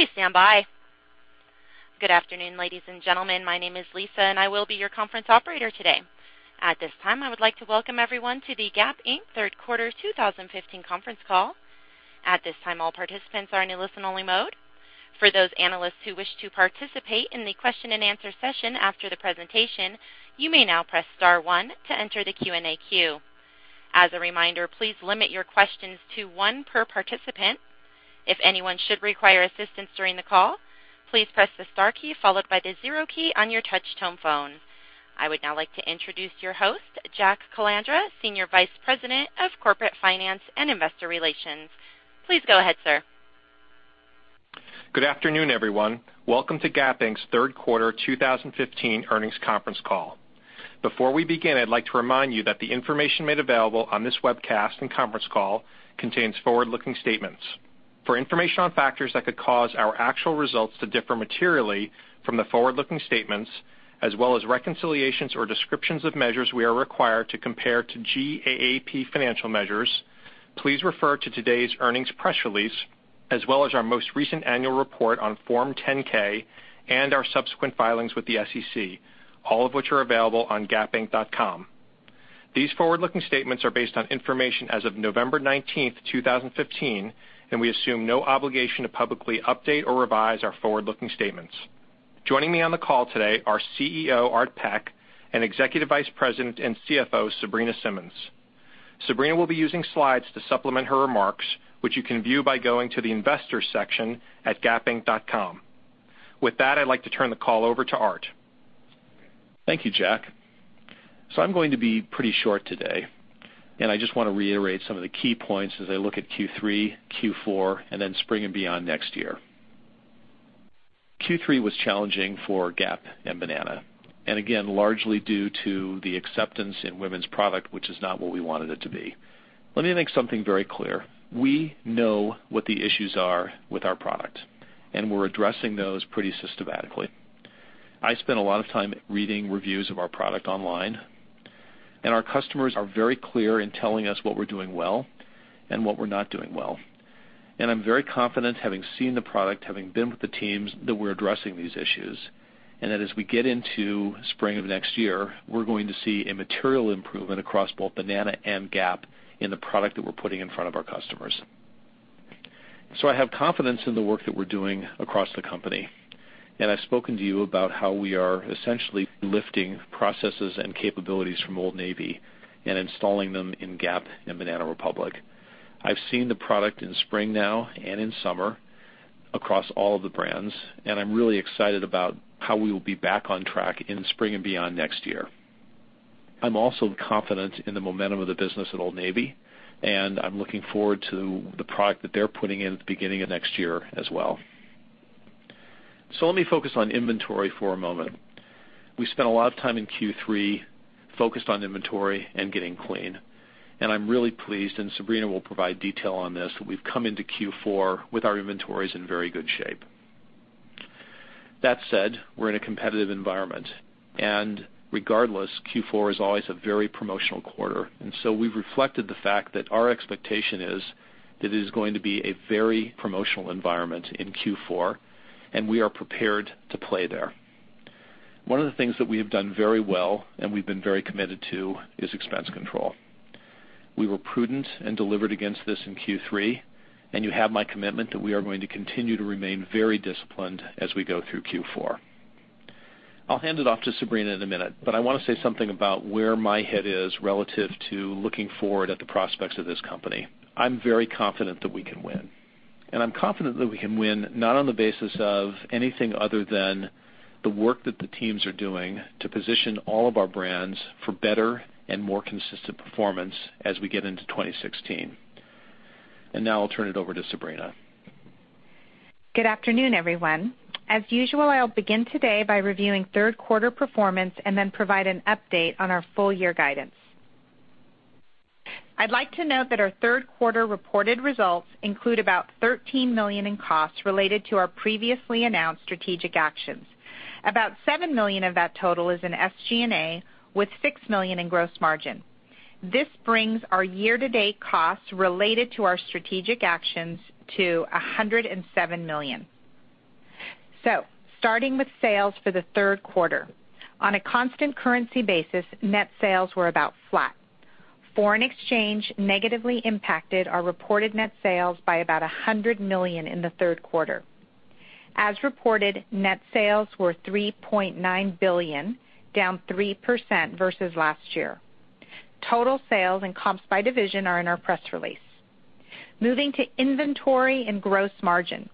Please stand by. Good afternoon, ladies and gentlemen. My name is Lisa, and I will be your conference operator today. At this time, I would like to welcome everyone to the Gap Inc. Third Quarter 2015 Conference Call. At this time, all participants are in listen only mode. For those analysts who wish to participate in the question and answer session after the presentation, you may now press star one to enter the Q&A queue. As a reminder, please limit your questions to one per participant. If anyone should require assistance during the call, please press the star key followed by the zero key on your touch tone phone. I would now like to introduce your host, Jack Calandra, Senior Vice President of Corporate Finance and Investor Relations. Please go ahead, sir. Good afternoon, everyone. Welcome to Gap Inc.'s Third Quarter 2015 earnings conference call. Before we begin, I'd like to remind you that the information made available on this webcast and conference call contains forward looking statements. For information on factors that could cause our actual results to differ materially from the forward looking statements, as well as reconciliations or descriptions of measures we are required to compare to GAAP financial measures, please refer to today's earnings press release, as well as our most recent annual report on Form 10-K and our subsequent filings with the SEC, all of which are available on gapinc.com. These forward looking statements are based on information as of November 19, 2015, and we assume no obligation to publicly update or revise our forward looking statements. Joining me on the call today are CEO, Art Peck, and Executive Vice President and CFO, Sabrina Simmons. Sabrina will be using slides to supplement her remarks, which you can view by going to the investors section at gapinc.com. I'd like to turn the call over to Art. Thank you, Jack. I'm going to be pretty short today, and I just want to reiterate some of the key points as I look at Q3, Q4, and then spring and beyond next year. Q3 was challenging for Gap and Banana, and again, largely due to the acceptance in women's product, which is not what we wanted it to be. Let me make something very clear. We know what the issues are with our product, and we're addressing those pretty systematically. I spent a lot of time reading reviews of our product online, and our customers are very clear in telling us what we're doing well and what we're not doing well. I'm very confident, having seen the product, having been with the teams, that we're addressing these issues, and that as we get into spring of next year, we're going to see a material improvement across both Banana and Gap in the product that we're putting in front of our customers. I have confidence in the work that we're doing across the company, and I've spoken to you about how we are essentially lifting processes and capabilities from Old Navy and installing them in Gap and Banana Republic. I've seen the product in spring now and in summer across all of the brands, and I'm really excited about how we will be back on track in spring and beyond next year. I'm also confident in the momentum of the business at Old Navy, and I'm looking forward to the product that they're putting in at the beginning of next year as well. Let me focus on inventory for a moment. We spent a lot of time in Q3 focused on inventory and getting clean, and I'm really pleased, and Sabrina will provide detail on this, that we've come into Q4 with our inventories in very good shape. That said, we're in a competitive environment, and regardless, Q4 is always a very promotional quarter. We've reflected the fact that our expectation is that it is going to be a very promotional environment in Q4, and we are prepared to play there. One of the things that we have done very well, and we've been very committed to, is expense control. We were prudent and delivered against this in Q3, and you have my commitment that we are going to continue to remain very disciplined as we go through Q4. I'll hand it off to Sabrina in a minute, but I want to say something about where my head is relative to looking forward at the prospects of this company. I'm very confident that we can win, and I'm confident that we can win not on the basis of anything other than the work that the teams are doing to position all of our brands for better and more consistent performance as we get into 2016. Now I'll turn it over to Sabrina. Good afternoon, everyone. As usual, I'll begin today by reviewing third quarter performance and then provide an update on our full year guidance. I'd like to note that our third quarter reported results include about $13 million in costs related to our previously announced strategic actions. About $7 million of that total is in SG&A, with $6 million in gross margin. This brings our year to date costs related to our strategic actions to $107 million. Starting with sales for the third quarter. On a constant currency basis, net sales were about flat. Foreign exchange negatively impacted our reported net sales by about $100 million in the third quarter. As reported, net sales were $3.9 billion, down 3% versus last year. Total sales and comps by division are in our press release. Moving to inventory and gross margin.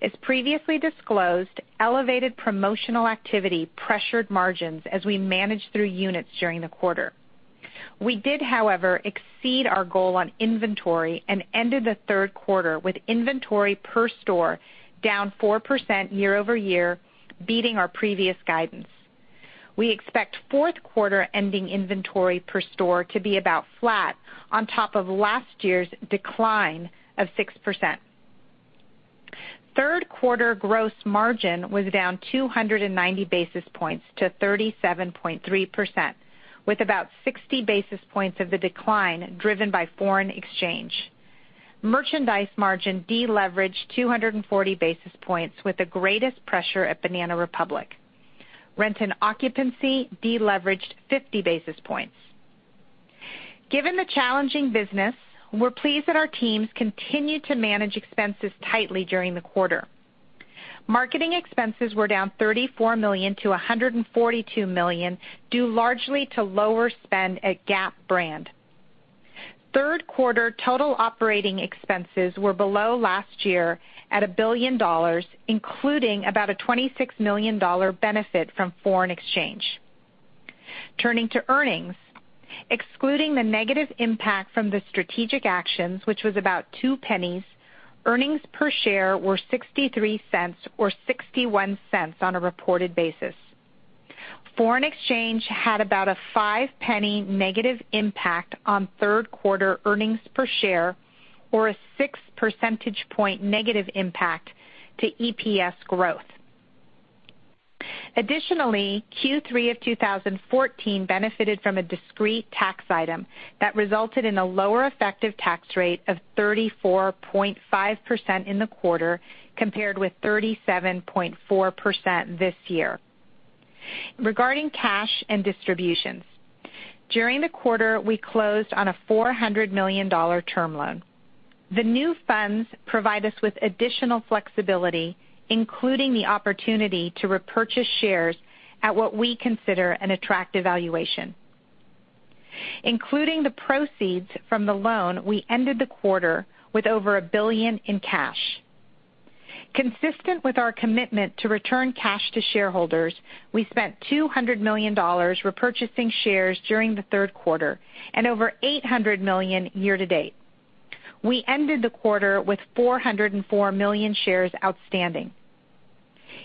As previously disclosed, elevated promotional activity pressured margins as we managed through units during the quarter. We did, however, exceed our goal on inventory and ended the third quarter with inventory per store down 4% year-over-year, beating our previous guidance. We expect fourth quarter ending inventory per store to be about flat on top of last year's decline of 6%. Third quarter gross margin was down 290 basis points to 37.3%, with about 60 basis points of the decline driven by foreign exchange. Merchandise margin deleveraged 240 basis points with the greatest pressure at Banana Republic. Rent and occupancy deleveraged 50 basis points. Given the challenging business, we're pleased that our teams continued to manage expenses tightly during the quarter. Marketing expenses were down $34 million to $142 million, due largely to lower spend at Gap brand. Third quarter total operating expenses were below last year at $1 billion, including about a $26 million benefit from foreign exchange. Turning to earnings, excluding the negative impact from the strategic actions, which was about $0.02, earnings per share were $0.63 or $0.61 on a reported basis. Foreign exchange had about a $0.05 negative impact on third quarter earnings per share, or a six percentage point negative impact to EPS growth. Additionally, Q3 of 2014 benefited from a discrete tax item that resulted in a lower effective tax rate of 34.5% in the quarter compared with 37.4% this year. Regarding cash and distributions, during the quarter, we closed on a $400 million term loan. The new funds provide us with additional flexibility, including the opportunity to repurchase shares at what we consider an attractive valuation. Including the proceeds from the loan, we ended the quarter with over $1 billion in cash. Consistent with our commitment to return cash to shareholders, we spent $200 million repurchasing shares during the third quarter and over $800 million year-to-date. We ended the quarter with 404 million shares outstanding.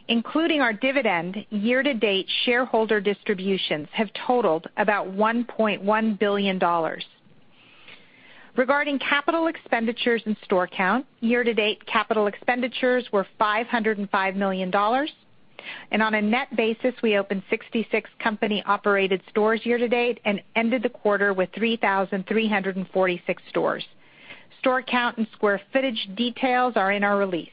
Including our dividend, year-to-date shareholder distributions have totaled about $1.1 billion. Regarding capital expenditures and store count, year-to-date capital expenditures were $505 million. On a net basis, we opened 66 company-operated stores year-to-date and ended the quarter with 3,346 stores. Store count and square footage details are in our release.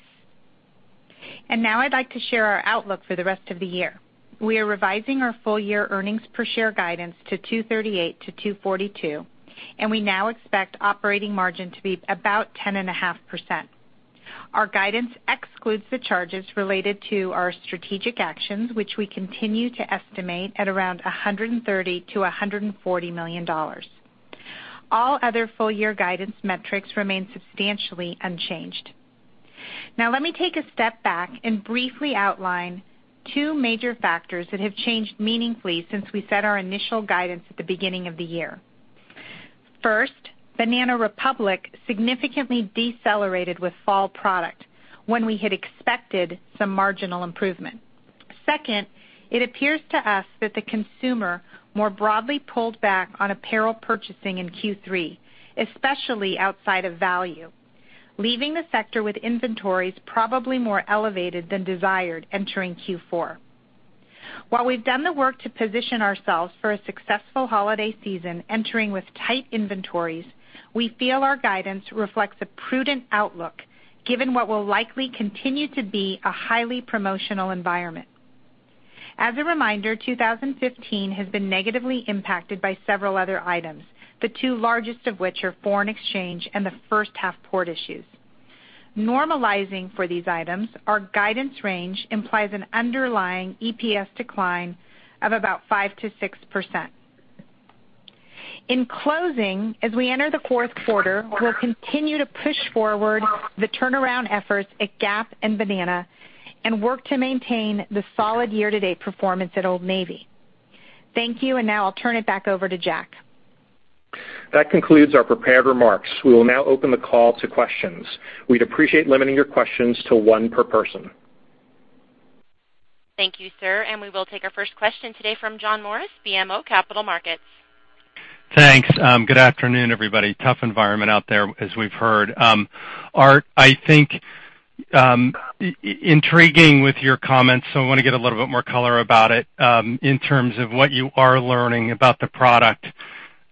Now I'd like to share our outlook for the rest of the year. We are revising our full year earnings per share guidance to $2.38-$2.42, and we now expect operating margin to be about 10.5%. Our guidance excludes the charges related to our strategic actions, which we continue to estimate at around $130 million-$140 million. All other full-year guidance metrics remain substantially unchanged. Let me take a step back and briefly outline two major factors that have changed meaningfully since we set our initial guidance at the beginning of the year. First, Banana Republic significantly decelerated with fall product when we had expected some marginal improvement. Second, it appears to us that the consumer more broadly pulled back on apparel purchasing in Q3, especially outside of value, leaving the sector with inventories probably more elevated than desired entering Q4. While we've done the work to position ourselves for a successful holiday season entering with tight inventories, we feel our guidance reflects a prudent outlook, given what will likely continue to be a highly promotional environment. As a reminder, 2015 has been negatively impacted by several other items, the two largest of which are foreign exchange and the first half port issues. Normalizing for these items, our guidance range implies an underlying EPS decline of about 5%-6%. In closing, as we enter the fourth quarter, we'll continue to push forward the turnaround efforts at Gap and Banana and work to maintain the solid year-to-date performance at Old Navy. Thank you, and now I'll turn it back over to Jack. That concludes our prepared remarks. We will now open the call to questions. We'd appreciate limiting your questions to one per person. Thank you, sir. We will take our first question today from John Morris, BMO Capital Markets. Thanks. Good afternoon, everybody. Tough environment out there, as we've heard. Art, I think, intriguing with your comments, so I want to get a little bit more color about it in terms of what you are learning about the product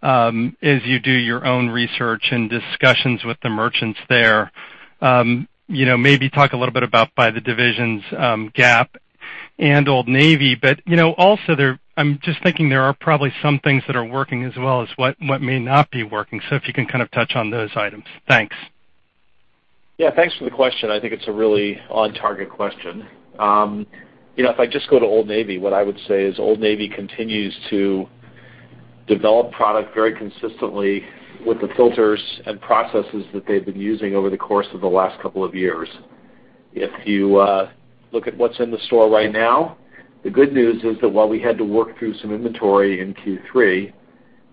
as you do your own research and discussions with the merchants there. Maybe talk a little bit about by the divisions Gap and Old Navy. Also I'm just thinking there are probably some things that are working as well as what may not be working. If you can kind of touch on those items. Thanks. Thanks for the question. I think it's a really on-target question. If I just go to Old Navy, what I would say is Old Navy continues to develop product very consistently with the filters and processes that they've been using over the course of the last couple of years. If you look at what's in the store right now, the good news is that while we had to work through some inventory in Q3,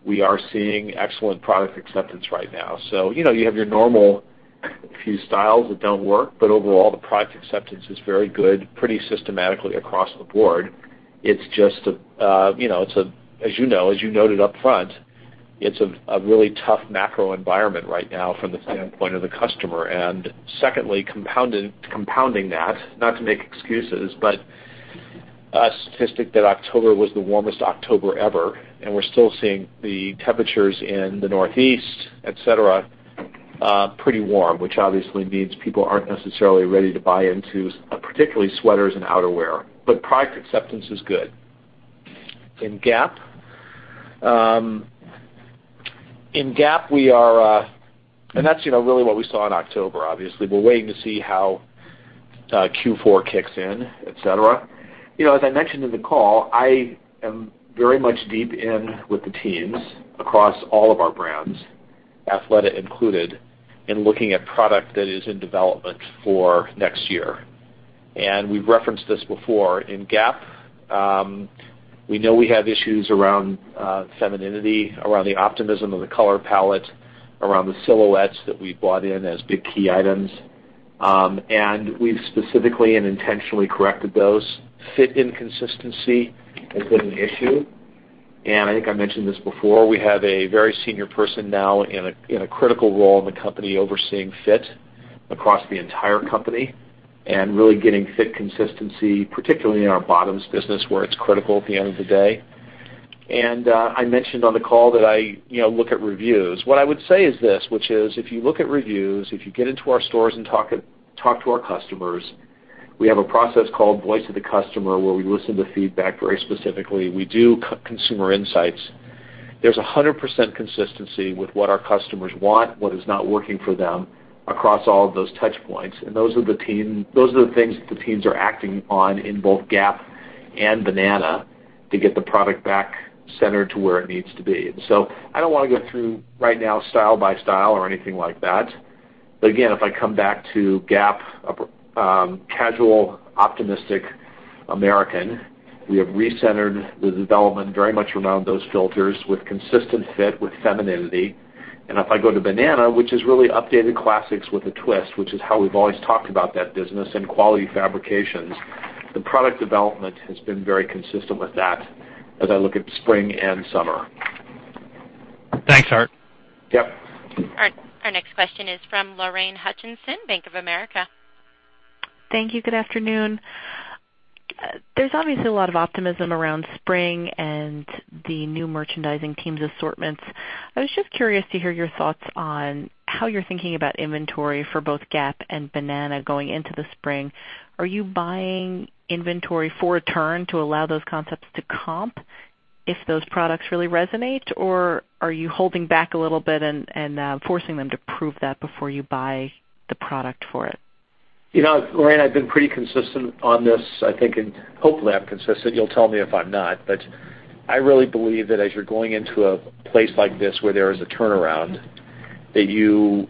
we are seeing excellent product acceptance right now. You have your normal few styles that don't work, but overall, the product acceptance is very good, pretty systematically across the board. As you know, as you noted up front, it's a really tough macro environment right now from the standpoint of the customer. Secondly, compounding that, not to make excuses, but a statistic that October was the warmest October ever, and we're still seeing the temperatures in the Northeast, et cetera pretty warm, which obviously means people aren't necessarily ready to buy into particularly sweaters and outerwear. Product acceptance is good. In Gap, that's really what we saw in October, obviously. We're waiting to see how Q4 kicks in, et cetera. As I mentioned in the call, I am very much deep in with the teams across all of our brands, Athleta included, in looking at product that is in development for next year. We've referenced this before. In Gap, we know we have issues around femininity, around the optimism of the color palette, around the silhouettes that we've bought in as big key items. We've specifically and intentionally corrected those. Fit inconsistency has been an issue. I think I mentioned this before, we have a very senior person now in a critical role in the company overseeing fit across the entire company and really getting fit consistency, particularly in our bottoms business, where it's critical at the end of the day. I mentioned on the call that I look at reviews. What I would say is this, which is if you look at reviews, if you get into our stores and talk to our customers, we have a process called Voice of the Customer, where we listen to feedback very specifically. We do consumer insights. There's 100% consistency with what our customers want, what is not working for them across all of those touch points. Those are the things that the teams are acting on in both Gap and Banana to get the product back centered to where it needs to be. I don't want to go through right now style by style or anything like that. Again, if I come back to Gap, casual, optimistic American, we have recentered the development very much around those filters with consistent fit, with femininity. If I go to Banana, which is really updated classics with a twist, which is how we've always talked about that business and quality fabrications, the product development has been very consistent with that as I look at spring and summer. Thanks, Art. Yep. All right. Our next question is from Lorraine Hutchinson, Bank of America. Thank you. Good afternoon. There's obviously a lot of optimism around spring and the new merchandising teams' assortments. I was just curious to hear your thoughts on how you're thinking about inventory for both Gap and Banana going into the spring. Are you buying inventory for a turn to allow those concepts to comp if those products really resonate, or are you holding back a little bit and forcing them to prove that before you buy the product for it? Lorraine, I've been pretty consistent on this, I think, and hopefully I'm consistent. You'll tell me if I'm not. I really believe that as you're going into a place like this where there is a turnaround, that you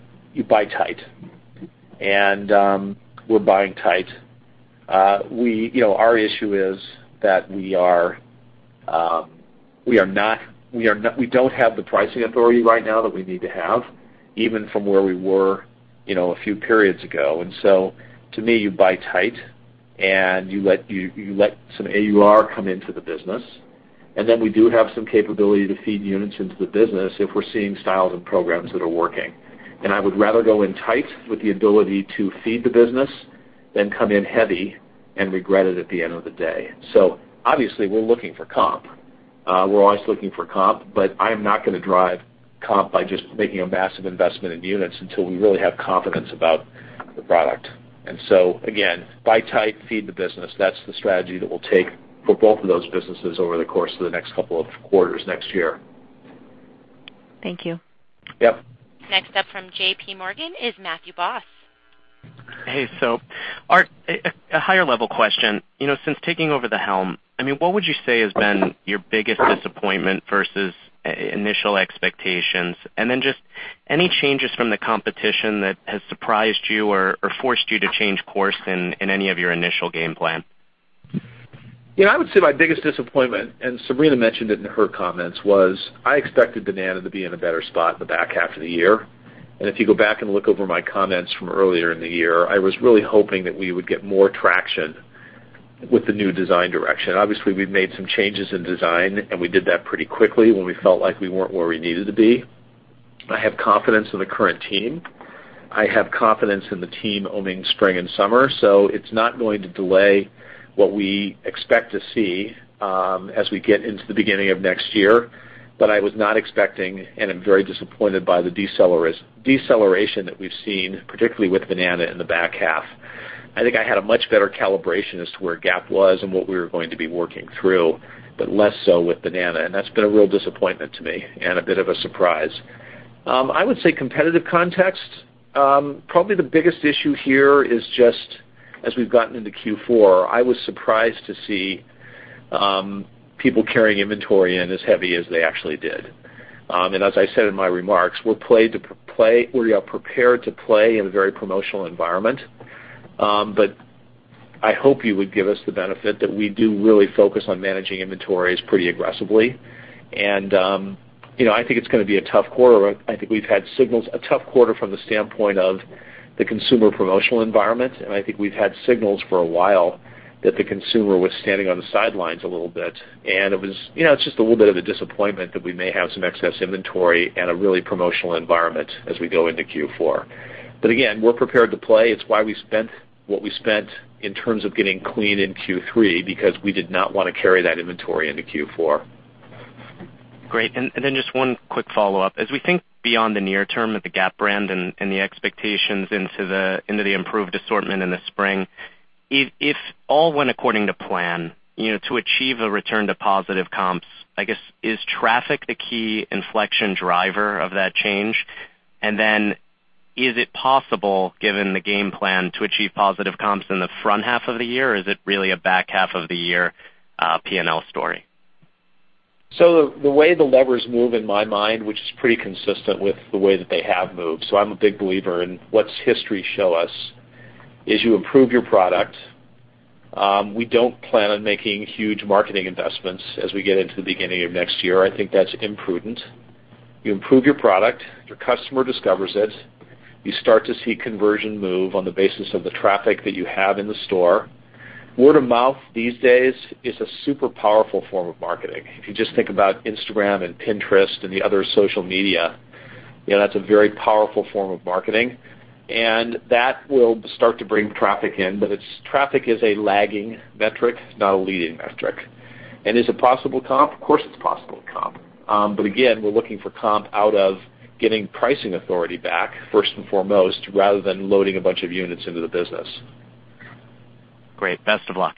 buy tight. We're buying tight. Our issue is that we don't have the pricing authority right now that we need to have, even from where we were a few periods ago. To me, you buy tight and you let some AUR come into the business. We do have some capability to feed units into the business if we're seeing styles and programs that are working. I would rather go in tight with the ability to feed the business than come in heavy and regret it at the end of the day. Obviously we're looking for comp. We're always looking for comp, but I'm not going to drive comp by just making a massive investment in units until we really have confidence about the product. Again, buy tight, feed the business. That's the strategy that we'll take for both of those businesses over the course of the next couple of quarters next year. Thank you. Yep. Next up from JPMorgan is Matthew Boss. Hey. Art, a higher level question. Since taking over the helm, what would you say has been your biggest disappointment versus initial expectations? Just any changes from the competition that has surprised you or forced you to change course in any of your initial game plan? I would say my biggest disappointment, Sabrina mentioned it in her comments, was I expected Banana Republic to be in a better spot in the back half of the year. If you go back and look over my comments from earlier in the year, I was really hoping that we would get more traction with the new design direction. Obviously, we've made some changes in design, and we did that pretty quickly when we felt like we weren't where we needed to be. I have confidence in the current team. I have confidence in the team owning spring and summer, so it's not going to delay what we expect to see as we get into the beginning of next year. I was not expecting, and I'm very disappointed by the deceleration that we've seen, particularly with Banana Republic in the back half. I think I had a much better calibration as to where Gap was and what we were going to be working through, but less so with Banana Republic, and that's been a real disappointment to me and a bit of a surprise. I would say competitive context. Probably the biggest issue here is just as we've gotten into Q4, I was surprised to see people carrying inventory in as heavy as they actually did. As I said in my remarks, we are prepared to play in a very promotional environment. I hope you would give us the benefit that we do really focus on managing inventories pretty aggressively. I think it's going to be a tough quarter. I think we've had signals, a tough quarter from the standpoint of the consumer promotional environment, and I think we've had signals for a while that the consumer was standing on the sidelines a little bit. It's just a little bit of a disappointment that we may have some excess inventory and a really promotional environment as we go into Q4. Again, we're prepared to play. It's why we spent what we spent in terms of getting clean in Q3 because we did not want to carry that inventory into Q4. Great. Just one quick follow-up. As we think beyond the near term at the Gap brand and the expectations into the improved assortment in the spring, if all went according to plan, to achieve a return to positive comps, I guess, is traffic the key inflection driver of that change? Is it possible, given the game plan, to achieve positive comps in the front half of the year or is it really a back half of the year P&L story? The way the levers move in my mind, which is pretty consistent with the way that they have moved. I'm a big believer in what's history show us. As you improve your product, we don't plan on making huge marketing investments as we get into the beginning of next year. I think that's imprudent. You improve your product. Your customer discovers it. You start to see conversion move on the basis of the traffic that you have in the store. Word of mouth these days is a super powerful form of marketing. If you just think about Instagram and Pinterest and the other social media, that's a very powerful form of marketing, and that will start to bring traffic in. Traffic is a lagging metric, not a leading metric. Is it possible comp? Of course, it's possible comp. Again, we're looking for comp out of getting pricing authority back first and foremost, rather than loading a bunch of units into the business. Great. Best of luck.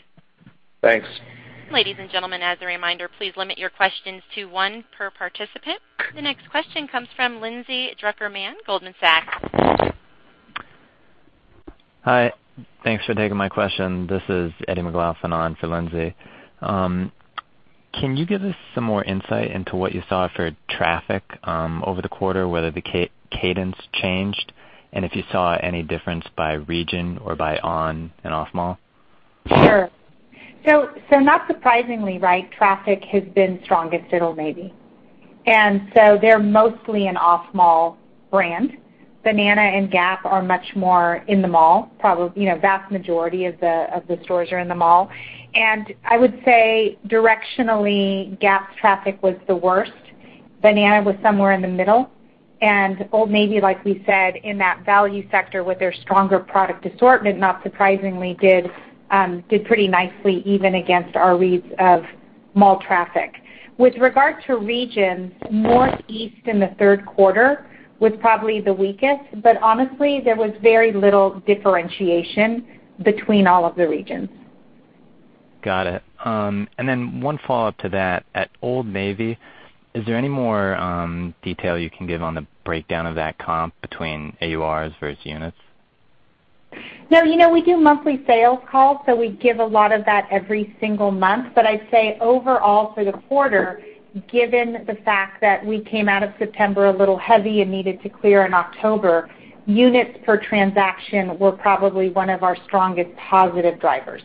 Thanks. Ladies and gentlemen, as a reminder, please limit your questions to one per participant. The next question comes from Lindsay Drucker Mann, Goldman Sachs. Hi, thanks for taking my question. This is Edward McLaughlin on for Lindsay. Can you give us some more insight into what you saw for traffic over the quarter, whether the cadence changed, and if you saw any difference by region or by on and off mall? Sure. Not surprisingly, right? Traffic has been strongest at Old Navy. They're mostly an off-mall brand. Banana and Gap are much more in the mall. Vast majority of the stores are in the mall. I would say directionally, Gap's traffic was the worst. Banana was somewhere in the middle, and Old Navy, like we said, in that value sector with their stronger product assortment, not surprisingly did pretty nicely, even against our reads of mall traffic. With regard to regions, more east in the third quarter was probably the weakest. Honestly, there was very little differentiation between all of the regions. Got it. One follow-up to that. At Old Navy, is there any more detail you can give on the breakdown of that comp between AURs versus units? No. We do monthly sales calls. We give a lot of that every single month. I'd say overall for the quarter, given the fact that we came out of September a little heavy and needed to clear in October, units per transaction were probably one of our strongest positive drivers.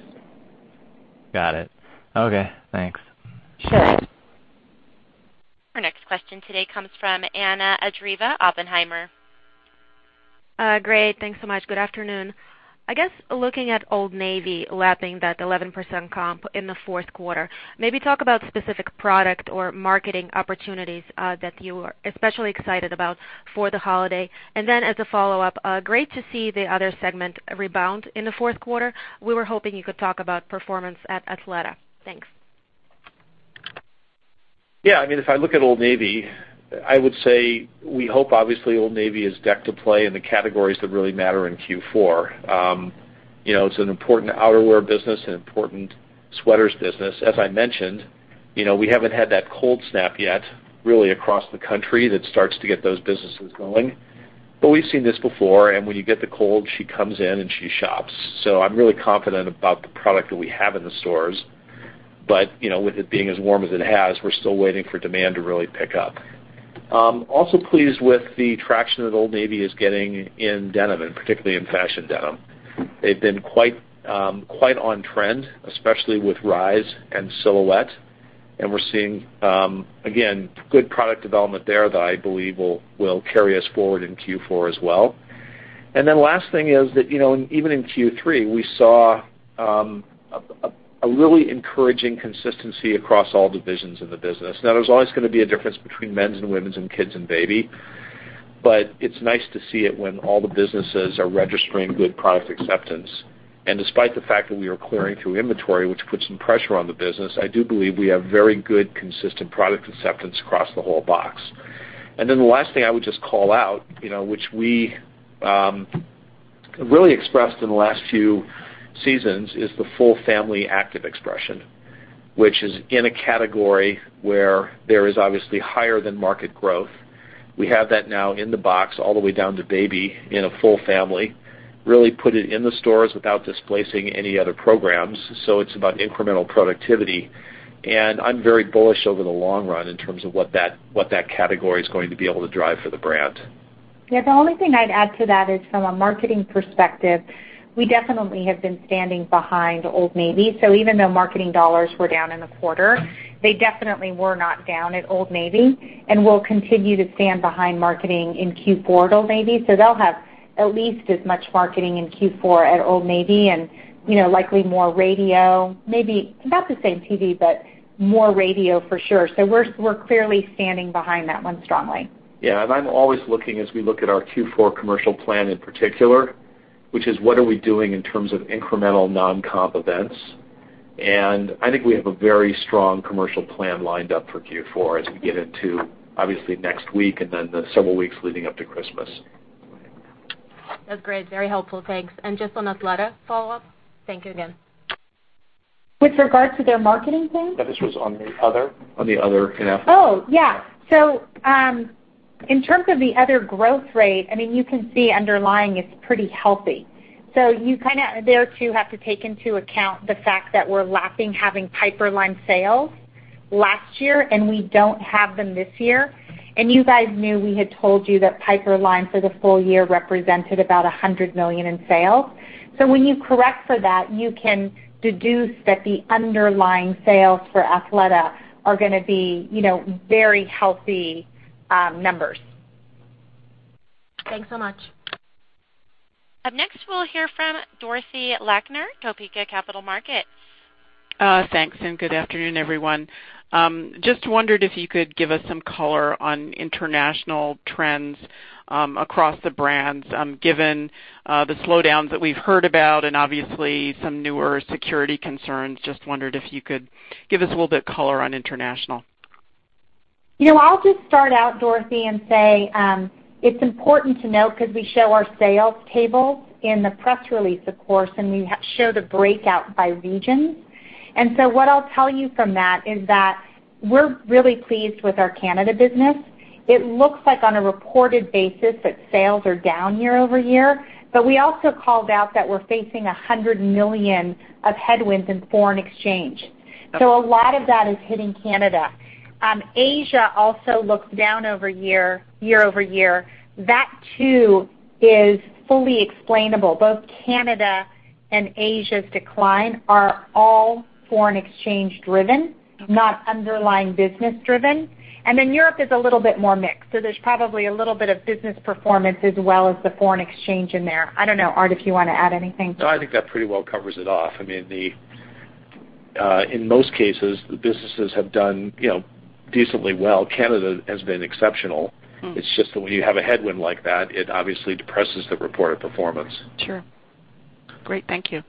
Got it. Okay, thanks. Sure. Our next question today comes from Anna Andreeva, Oppenheimer. Great. Thanks so much. Good afternoon. I guess looking at Old Navy lapping that 11% comp in the fourth quarter, maybe talk about specific product or marketing opportunities that you are especially excited about for the holiday. As a follow-up, great to see the other segment rebound in the fourth quarter. We were hoping you could talk about performance at Athleta. Thanks. If I look at Old Navy, I would say we hope, obviously, Old Navy is decked to play in the categories that really matter in Q4. It's an important outerwear business, an important sweaters business. As I mentioned, we haven't had that cold snap yet really across the country that starts to get those businesses going. We've seen this before, and when you get the cold, she comes in and she shops. I'm really confident about the product that we have in the stores. With it being as warm as it has, we're still waiting for demand to really pick up. Also pleased with the traction that Old Navy is getting in denim, and particularly in fashion denim. They've been quite on-trend, especially with rise and silhouette. We're seeing, again, good product development there that I believe will carry us forward in Q4 as well. Last thing is that even in Q3, we saw a really encouraging consistency across all divisions of the business. Now, there's always going to be a difference between men's and women's and kids and baby. It's nice to see it when all the businesses are registering good product acceptance. Despite the fact that we are clearing through inventory, which puts some pressure on the business, I do believe we have very good, consistent product acceptance across the whole box. The last thing I would just call out, which we really expressed in the last few seasons, is the full family active expression, which is in a category where there is obviously higher than market growth. We have that now in the box all the way down to baby in a full family. Really put it in the stores without displacing any other programs. It's about incremental productivity. I'm very bullish over the long run in terms of what that category is going to be able to drive for the brand. The only thing I'd add to that is from a marketing perspective, we definitely have been standing behind Old Navy. Even though marketing dollars were down in the quarter, they definitely were not down at Old Navy. We'll continue to stand behind marketing in Q4 at Old Navy. They'll have at least as much marketing in Q4 at Old Navy and likely more radio, maybe about the same TV, but more radio for sure. We're clearly standing behind that one strongly. Yeah. I'm always looking as we look at our Q4 commercial plan in particular. Which is what are we doing in terms of incremental non-comp events. I think we have a very strong commercial plan lined up for Q4 as we get into, obviously, next week and then the several weeks leading up to Christmas. That's great. Very helpful. Thanks. Just on Athleta, follow-up. Thank you again. With regard to their marketing thing? No, this was on the other. Oh, yeah. In terms of the other growth rate, you can see underlying it's pretty healthy. You there too have to take into account the fact that we're lacking having Piperlime sales last year, and we don't have them this year. You guys knew we had told you that Piperlime for the full year represented about $100 million in sales. When you correct for that, you can deduce that the underlying sales for Athleta are going to be very healthy numbers. Thanks so much. Up next, we'll hear from Dorothy Lakner, Topeka Capital Markets. Thanks, good afternoon, everyone. Just wondered if you could give us some color on international trends across the brands. Given the slowdowns that we've heard about and obviously some newer security concerns, just wondered if you could give us a little bit of color on international. I'll just start out, Dorothy Lakner, and say, it's important to note because we show our sales table in the press release, of course, and we show the breakout by region. What I'll tell you from that is that we're really pleased with our Canada business. It looks like on a reported basis that sales are down year-over-year, but we also called out that we're facing $100 million of headwinds in foreign exchange. A lot of that is hitting Canada. Asia also looks down year-over-year. That too is fully explainable. Both Canada and Asia's decline are all foreign exchange driven, not underlying business driven. Europe is a little bit more mixed. There's probably a little bit of business performance as well as the foreign exchange in there. I don't know, Art Peck, if you want to add anything. No, I think that pretty well covers it off. In most cases, the businesses have done decently well. Canada has been exceptional. It's just that when you have a headwind like that, it obviously depresses the reported performance. Sure. Great. Thank you.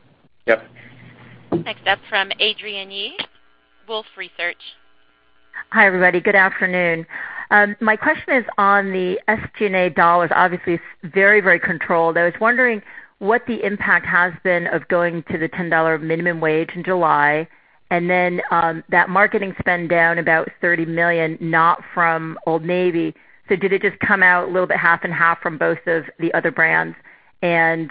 Yep. Next up from Adrienne Yih, Wolfe Research. Hi, everybody. Good afternoon. My question is on the SG&A dollars. Obviously, it's very, very controlled. I was wondering what the impact has been of going to the $10 minimum wage in July, then that marketing spend down about $30 million, not from Old Navy. Did it just come out a little bit half and half from both of the other brands? When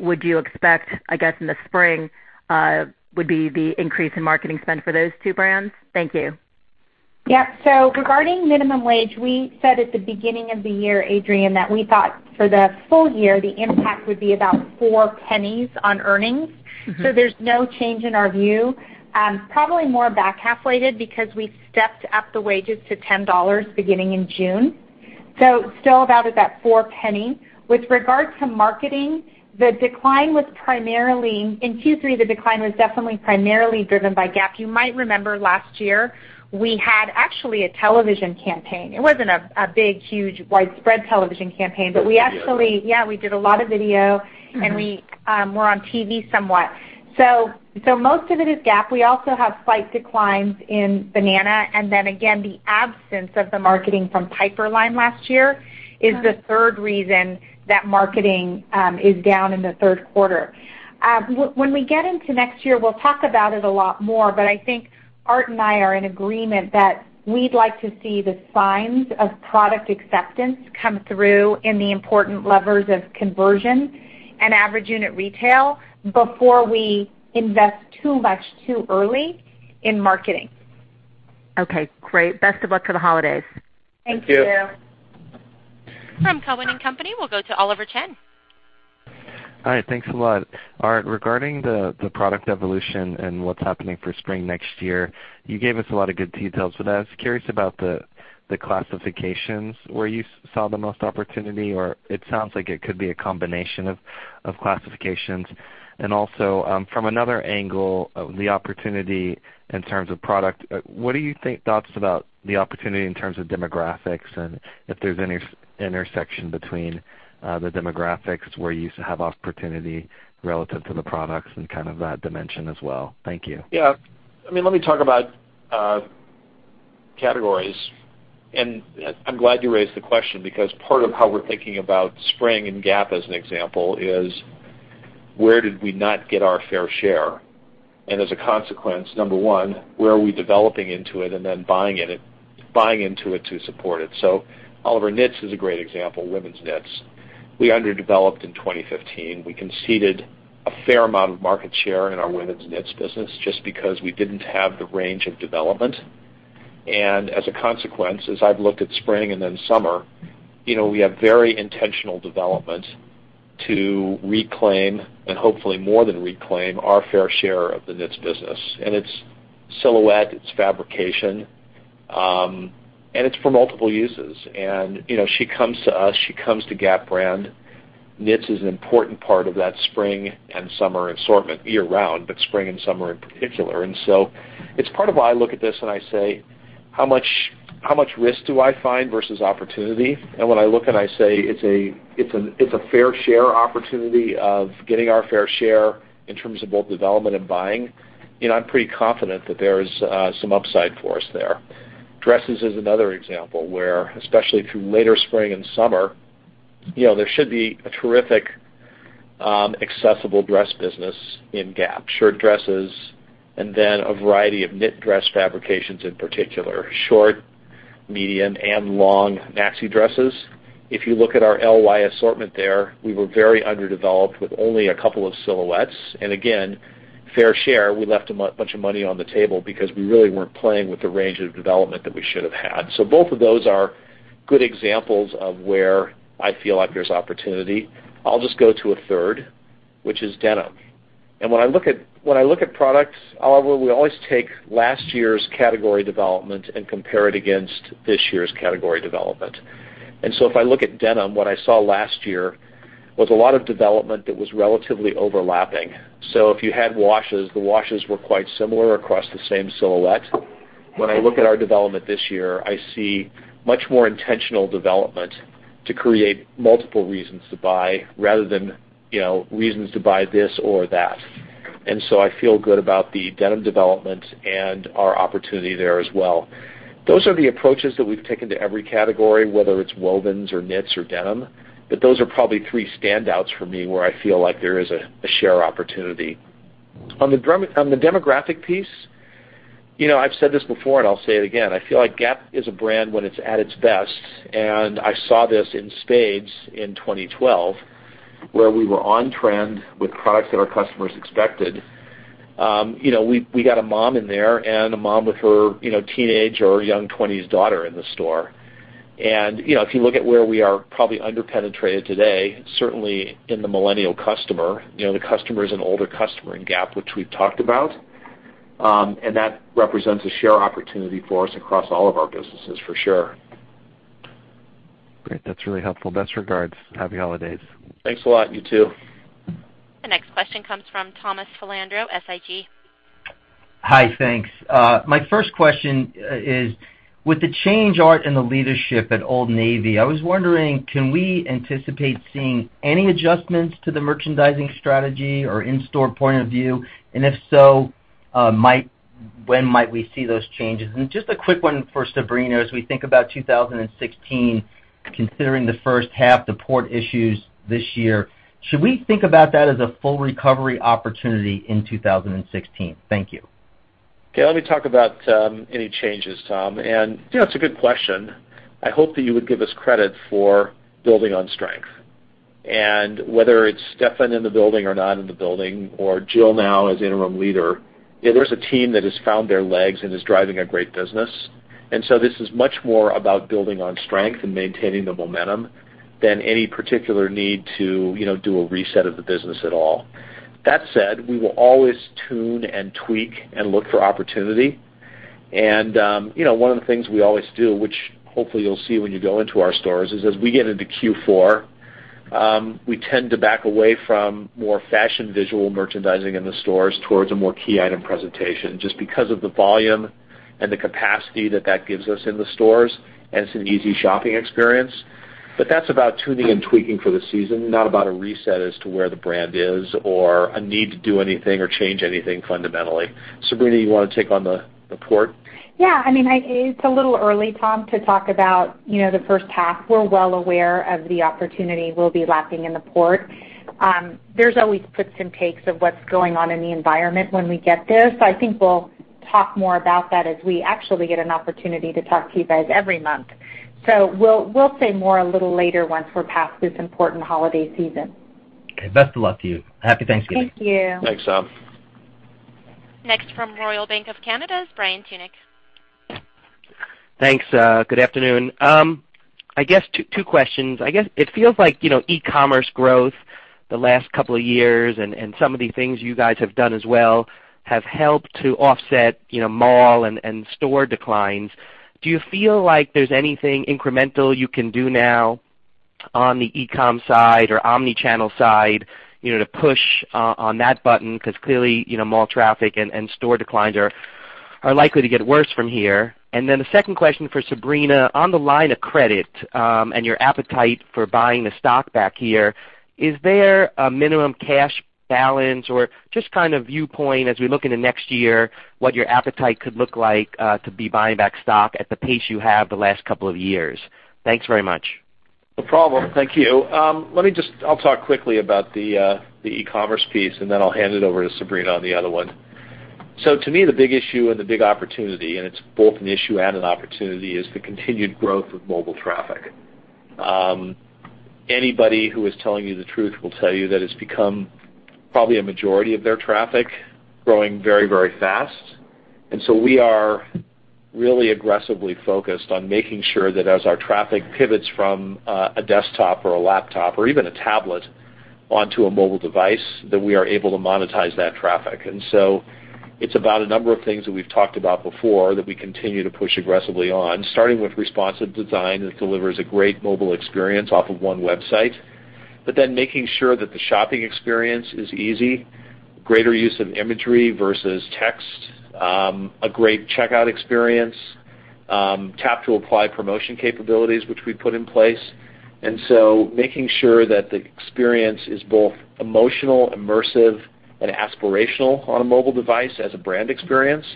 would you expect, I guess, in the spring, would be the increase in marketing spend for those two brands? Thank you. Yeah. Regarding minimum wage, we said at the beginning of the year, Adrienne, that we thought for the full year, the impact would be about four pennies on earnings. There's no change in our view. Probably more back half-weighted because we stepped up the wages to $10 beginning in June. Still about at that four penny. With regard to marketing, in Q3, the decline was definitely primarily driven by Gap. You might remember last year, we had actually a television campaign. It wasn't a big, huge, widespread television campaign. Video. Yeah, we did a lot of video. We were on TV somewhat. Most of it is Gap. We also have slight declines in Banana, then again, the absence of the marketing from Piperlime last year is the third reason that marketing is down in the third quarter. When we get into next year, we'll talk about it a lot more, but I think Art and I are in agreement that we'd like to see the signs of product acceptance come through in the important levers of conversion and average unit retail before we invest too much too early in marketing. Okay, great. Best of luck for the holidays. Thank you. Thank you. From Cowen and Company, we'll go to Oliver Chen. All right. Thanks a lot. Art, regarding the product evolution and what's happening for spring next year, you gave us a lot of good details, but I was curious about the classifications where you saw the most opportunity. It sounds like it could be a combination of classifications. Also, from another angle, the opportunity in terms of product, what are your thoughts about the opportunity in terms of demographics and if there's any intersection between the demographics where you have opportunity relative to the products and kind of that dimension as well? Thank you. Yeah. Let me talk about categories. I'm glad you raised the question because part of how we're thinking about spring and Gap, as an example, is where did we not get our fair share? As a consequence, number one, where are we developing into it and then buying into it to support it. Oliver, knits is a great example, women's knits. We underdeveloped in 2015. We conceded a fair amount of market share in our women's knits business just because we didn't have the range of development. As a consequence, as I've looked at spring and then summer, we have very intentional development to reclaim, and hopefully more than reclaim, our fair share of the knits business. It's silhouette, it's fabrication, and it's for multiple uses. She comes to us, she comes to Gap brand. Knits is an important part of that spring and summer assortment year-round, but spring and summer in particular. It's part of why I look at this and I say, "How much risk do I find versus opportunity? When I look and I say it's a fair share opportunity of getting our fair share in terms of both development and buying, I'm pretty confident that there's some upside for us there. Dresses is another example where, especially through later spring and summer, there should be a terrific accessible dress business in Gap. Short dresses, and then a variety of knit dress fabrications, in particular, short, medium, and long maxi dresses. If you look at our LY assortment there, we were very underdeveloped with only a couple of silhouettes. Again, fair share, we left a bunch of money on the table because we really weren't playing with the range of development that we should have had. Both of those are good examples of where I feel like there's opportunity. I'll just go to a third, which is denim. When I look at products, we always take last year's category development and compare it against this year's category development. If I look at denim, what I saw last year was a lot of development that was relatively overlapping. If you had washes, the washes were quite similar across the same silhouette. When I look at our development this year, I see much more intentional development to create multiple reasons to buy rather than reasons to buy this or that. I feel good about the denim development and our opportunity there as well. Those are the approaches that we've taken to every category, whether it's wovens or knits or denim. Those are probably three standouts for me where I feel like there is a share opportunity. On the demographic piece, I've said this before, and I'll say it again, I feel like Gap is a brand when it's at its best, and I saw this in Spades in 2012, where we were on trend with products that our customers expected. We got a mom in there and a mom with her teenage or young 20s daughter in the store. If you look at where we are probably under-penetrated today, certainly in the millennial customer, the customer is an older customer in Gap, which we've talked about. That represents a share opportunity for us across all of our businesses for sure. Great. That's really helpful. Best regards. Happy holidays. Thanks a lot. You too. The next question comes from Thomas Filandro, SIG. Hi, thanks. My first question is, with the change, Art, in the leadership at Old Navy, I was wondering, can we anticipate seeing any adjustments to the merchandising strategy or in-store point of view? If so, when might we see those changes? Just a quick one for Sabrina. As we think about 2016, considering the first half, the port issues this year, should we think about that as a full recovery opportunity in 2016? Thank you. Okay, let me talk about any changes, Tom. It's a good question. I hope that you would give us credit for building on strength. Whether it's Stefan in the building or not in the building or Jill now as interim leader, there's a team that has found their legs and is driving a great business. This is much more about building on strength and maintaining the momentum than any particular need to do a reset of the business at all. That said, we will always tune and tweak and look for opportunity. One of the things we always do, which hopefully you'll see when you go into our stores, is as we get into Q4, we tend to back away from more fashion visual merchandising in the stores towards a more key item presentation, just because of the volume and the capacity that that gives us in the stores, and it's an easy shopping experience. That's about tuning and tweaking for the season, not about a reset as to where the brand is or a need to do anything or change anything fundamentally. Sabrina, you want to take on the port? Yeah. It's a little early, Tom, to talk about the first half. We're well aware of the opportunity we'll be lacking in the port. There's always puts and takes of what's going on in the environment when we get there. I think we'll talk more about that as we actually get an opportunity to talk to you guys every month. We'll say more a little later once we're past this important holiday season. Okay. Best of luck to you. Happy Thanksgiving. Thank you. Thanks, Tom. Next from Royal Bank of Canada is Brian Tunick. Thanks. Good afternoon. I guess two questions. I guess it feels like e-commerce growth the last couple of years and some of the things you guys have done as well have helped to offset mall and store declines. Do you feel like there's anything incremental you can do now on the e-com side or omni-channel side to push on that button? Clearly, mall traffic and store declines are likely to get worse from here. A second question for Sabrina, on the line of credit and your appetite for buying the stock back here, is there a minimum cash balance or just kind of viewpoint as we look into next year, what your appetite could look like to be buying back stock at the pace you have the last couple of years? Thanks very much. No problem. Thank you. I'll talk quickly about the e-commerce piece, I'll hand it over to Sabrina on the other one. To me, the big issue and the big opportunity, and it's both an issue and an opportunity, is the continued growth of mobile traffic. Anybody who is telling you the truth will tell you that it's become probably a majority of their traffic growing very, very fast. We are really aggressively focused on making sure that as our traffic pivots from a desktop or a laptop or even a tablet onto a mobile device, that we are able to monetize that traffic. It's about a number of things that we've talked about before that we continue to push aggressively on, starting with responsive design that delivers a great mobile experience off of one website. Making sure that the shopping experience is easy, greater use of imagery versus text, a great checkout experience, tap to apply promotion capabilities, which we put in place. Making sure that the experience is both emotional, immersive, and aspirational on a mobile device as a brand experience,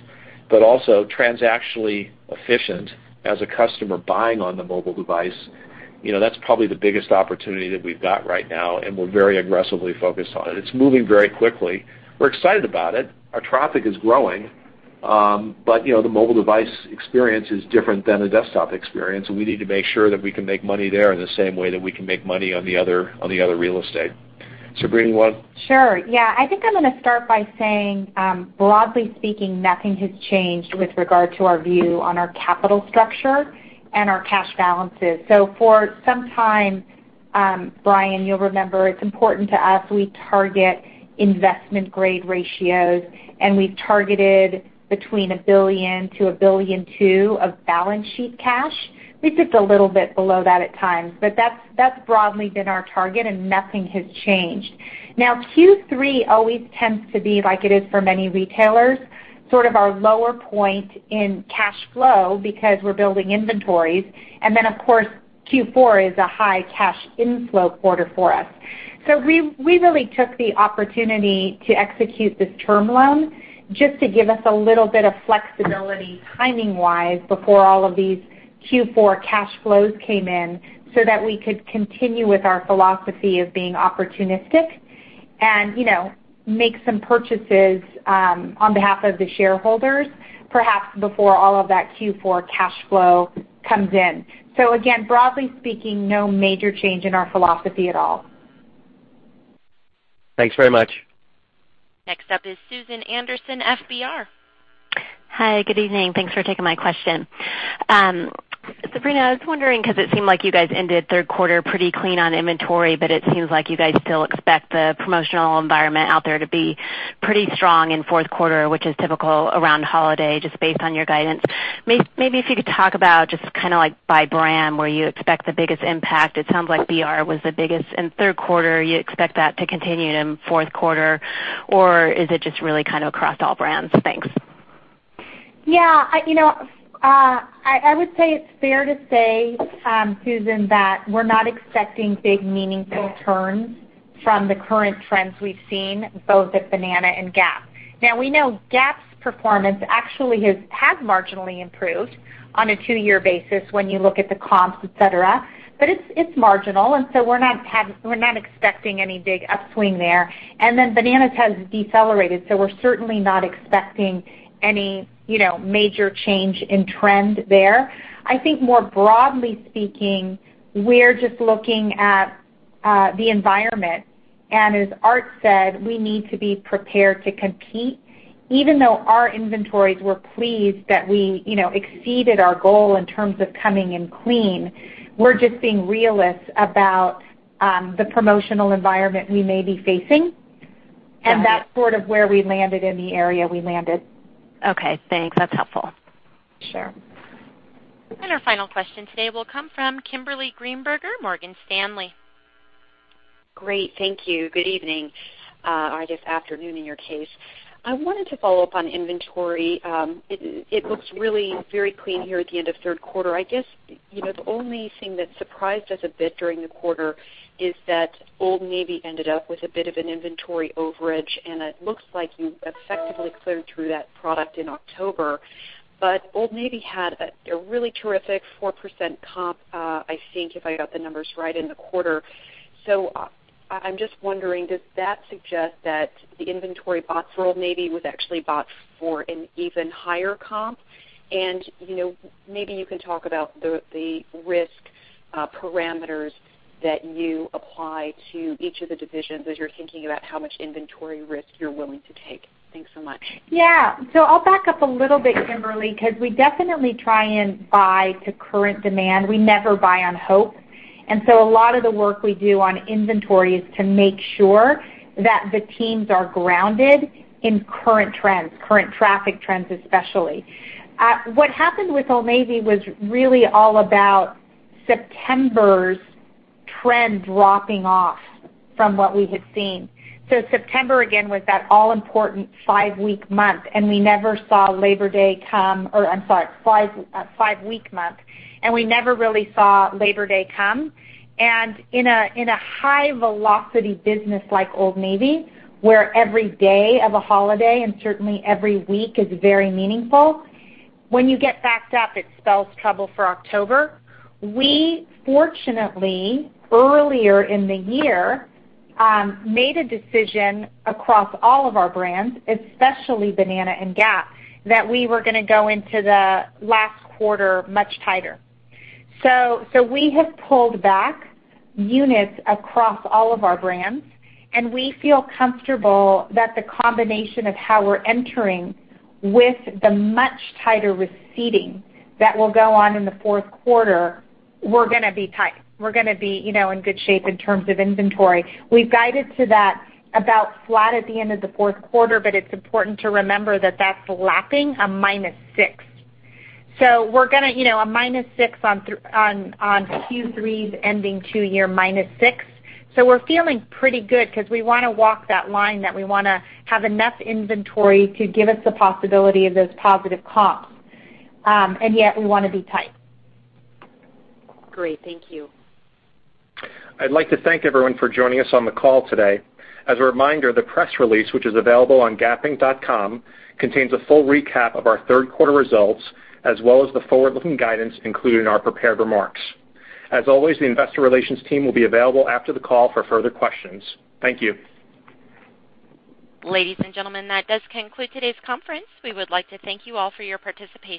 but also transactionally efficient as a customer buying on the mobile device. You know, that's probably the biggest opportunity that we've got right now, and we're very aggressively focused on it. It's moving very quickly. We're excited about it. Our traffic is growing. You know, the mobile device experience is different than a desktop experience, and we need to make sure that we can make money there in the same way that we can make money on the other real estate. Sabrina, you want- Sure. Yeah. I think I'm gonna start by saying, broadly speaking, nothing has changed with regard to our view on our capital structure and our cash balances. For some time, Brian, you'll remember it's important to us, we target investment grade ratios, and we've targeted between $1 billion to $1.2 billion of balance sheet cash. We dip a little bit below that at times. That's broadly been our target, and nothing has changed. Q3 always tends to be like it is for many retailers, sort of our lower point in cash flow because we're building inventories. Of course, Q4 is a high cash inflow quarter for us. We really took the opportunity to execute this term loan, just to give us a little bit of flexibility timing-wise before all of these Q4 cash flows came in, that we could continue with our philosophy of being opportunistic and, you know, make some purchases on behalf of the shareholders, perhaps before all of that Q4 cash flow comes in. Again, broadly speaking, no major change in our philosophy at all. Thanks very much. Next up is Susan Anderson, FBR. Hi. Good evening. Thanks for taking my question. Sabrina, I was wondering because it seemed like you guys ended third quarter pretty clean on inventory, but it seems like you guys still expect the promotional environment out there to be pretty strong in fourth quarter, which is typical around holiday, just based on your guidance. Maybe if you could talk about just kind of like by brand, where you expect the biggest impact. It sounds like BR was the biggest in third quarter. You expect that to continue in fourth quarter, or is it just really kind of across all brands? Thanks. Yeah. I, you know, I would say it's fair to say, Susan, that we're not expecting big, meaningful turns from the current trends we've seen both at Banana and Gap. Now, we know Gap's performance actually has marginally improved on a two-year basis when you look at the comps, et cetera, but it's marginal and so we're not expecting any big upswing there. Banana's has decelerated, so we're certainly not expecting any, you know, major change in trend there. I think more broadly speaking, we're just looking at the environment and as Art said, we need to be prepared to compete. Even though our inventories were pleased that we, you know, exceeded our goal in terms of coming in clean, we're just being realist about the promotional environment we may be facing. Got it. That's sort of where we landed in the area we landed. Okay, thanks. That's helpful. Sure. Our final question today will come from Kimberly Greenberger, Morgan Stanley. Great. Thank you. Good evening. Or I guess afternoon in your case. I wanted to follow up on inventory. It looks really very clean here at the end of third quarter. I guess, you know, the only thing that surprised us a bit during the quarter is that Old Navy ended up with a bit of an inventory overage, and it looks like you effectively cleared through that product in October. Old Navy had a really terrific 4% comp, I think, if I got the numbers right, in the quarter. I'm just wondering, does that suggest that the inventory bought for Old Navy was actually bought for an even higher comp? You know, maybe you can talk about the risk parameters that you apply to each of the divisions as you're thinking about how much inventory risk you're willing to take. Thanks so much. I'll back up a little bit, Kimberly, 'cause we definitely try and buy to current demand. We never buy on hope. A lot of the work we do on inventory is to make sure that the teams are grounded in current trends, current traffic trends especially. What happened with Old Navy was really all about September's trend dropping off from what we had seen. September again was that all important five-week month, and we never really saw Labor Day come. In a high velocity business like Old Navy, where every day of a holiday and certainly every week is very meaningful, when you get backed up, it spells trouble for October. We fortunately, earlier in the year, made a decision across all of our brands, especially Banana and Gap, that we were gonna go into the last quarter much tighter. We have pulled back units across all of our brands, and we feel comfortable that the combination of how we're entering with the much tighter receipting that will go on in Q4, we're gonna be tight. We're gonna be, you know, in good shape in terms of inventory. We've guided to that about flat at the end of Q4, but it's important to remember that that's lapping a -6. We're gonna, you know, a -6 on Q3 ending 2-year -6. We're feeling pretty good 'cause we wanna walk that line that we wanna have enough inventory to give us the possibility of those positive comps. Yet we wanna be tight. Great. Thank you. I'd like to thank everyone for joining us on the call today. As a reminder, the press release, which is available on gapinc.com, contains a full recap of our third quarter results as well as the forward-looking guidance included in our prepared remarks. As always, the investor relations team will be available after the call for further questions. Thank you. Ladies and gentlemen, that does conclude today's conference. We would like to thank you all for your participation.